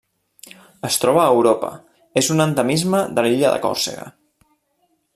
Es troba a Europa: és un endemisme de l'illa de Còrsega.